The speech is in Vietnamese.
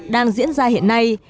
đang diễn ra hiện nay